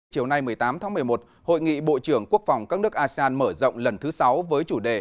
chiều nay một mươi tám tháng một mươi một hội nghị bộ trưởng quốc phòng các nước asean mở rộng lần thứ sáu với chủ đề